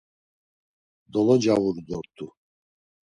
Dolocavuru dort̆u.